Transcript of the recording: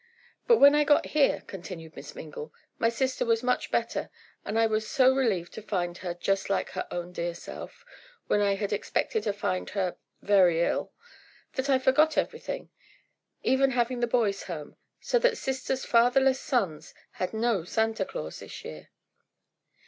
"But when I got here," continued Miss Mingle, "my sister was much better, and I was so relieved to find her just like her own dear self, when I had expected to find her—very ill—that I forgot everything, even having the boys home, so that sister's fatherless sons had no Santa Claus this year."